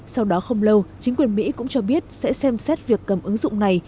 sau đó không lâu chính quyền mỹ cũng cho biết sẽ xem xét việc cầm ứng dụng này